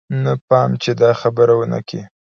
نه پام چې دا خبره ونه کې.